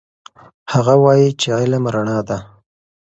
هغه وایي چې علم رڼا ده.